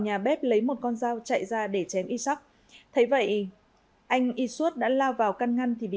nhà bếp lấy một con dao chạy ra để chém isak thấy vậy anh y xuốt đã lao vào căn ngăn thì bị